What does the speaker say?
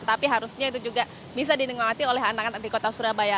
tapi harusnya itu juga bisa dinikmati oleh anak anak di kota surabaya